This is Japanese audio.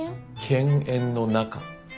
犬猿の仲。